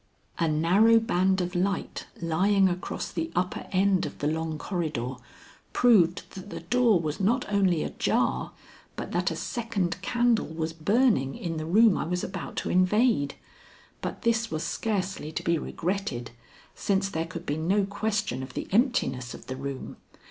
A narrow band of light lying across the upper end of the long corridor, proved that the door was not only ajar, but that a second candle was burning in the room I was about to invade; but this was scarcely to be regretted, since there could be no question of the emptiness of the room.